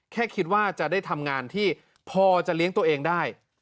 แค่คิดว่าจะได้ทำงานที่พอจะเลี้ยงตัวเองได้